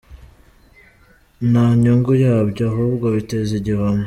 Nta nyungu yabyo, ahubwo biteza igihombo."